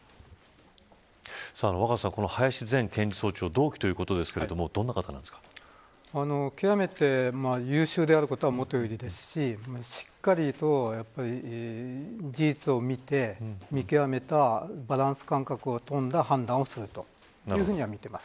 若狭さん、この林前検事総長同期ということですが極めて優秀であることはもとよりですししっかりと事実を見て見極めたバランス感覚に富んだ判断をするというふうに見ています。